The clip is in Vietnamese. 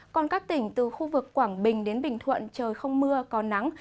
còn các tỉnh từ khu vực quảng bình đến bình thuận trời không mưa có nắng